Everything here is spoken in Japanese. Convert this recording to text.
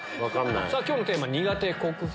今日のテーマ苦手克服